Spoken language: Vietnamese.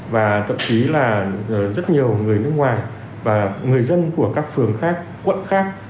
và thậm chí là rất nhiều người nước ngoài và người dân của các phường khác quận khác